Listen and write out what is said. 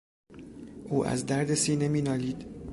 او از درد سینه مینالید.